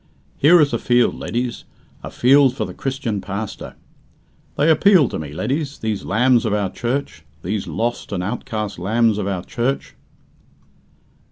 Here is a field, leddies a field for the Christian pastor. They appeal to me, leddies, these lambs of our Church these lost and outcast lambs of our Church."